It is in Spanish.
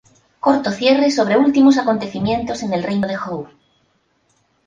Corto cierre sobre últimos acontecimientos en el reino de Hou.